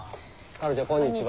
タローちゃんこんにちは。